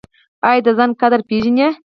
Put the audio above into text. ایا د ځان قدر پیژنئ؟